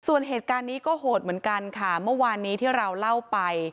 ส่วนเหตุการณ์นี้ก็โหดเหมือนกันค่ะเมื่อวานนี้ที่เราเล่าไป